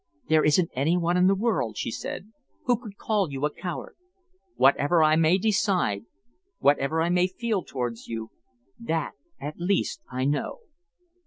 "There isn't any one in the world," she said, "who could call you a coward. Whatever I may decide, whatever I may feel towards you, that at least I know."